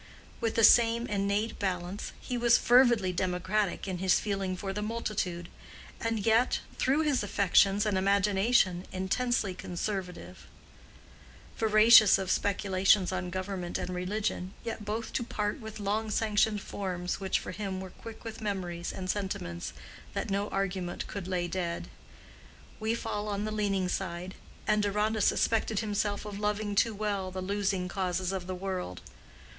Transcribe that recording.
With the same innate balance he was fervidly democratic in his feeling for the multitude, and yet, through his affections and imagination, intensely conservative; voracious of speculations on government and religion, yet loth to part with long sanctioned forms which, for him, were quick with memories and sentiments that no argument could lay dead. We fall on the leaning side; and Deronda suspected himself of loving too well the losing causes of the world.